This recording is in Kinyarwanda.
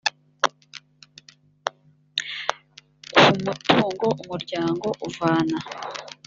ku mutungo umuryango uvana